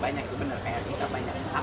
banyak itu benar kayak duta banyak